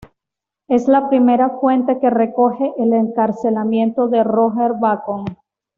Es la primera fuente que recoge el encarcelamiento de Roger Bacon.